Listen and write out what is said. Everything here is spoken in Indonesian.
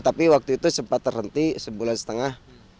tapi waktu itu sempat terhenti sebulan setengah